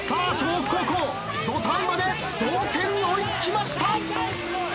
北高校土壇場で同点に追い付きました。